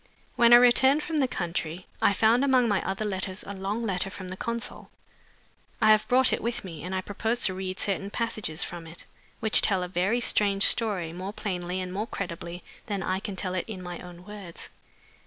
When I returned from the country I found among my other letters a long letter from the consul. I have brought it with me, and I propose to read certain passages from it, which tell a very strange story more plainly and more credibly than I can tell it in my own words."